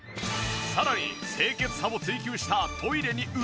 さらに清潔さを追求したトイレに嬉しい配慮が。